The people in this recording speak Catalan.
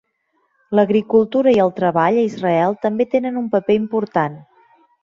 L'agricultura i el treball a Israel també tenen un paper important.